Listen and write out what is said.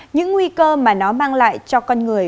những nguy cơ mà nó mang lại cho con người